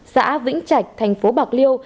xã vĩnh trạch thành phố bạc liêu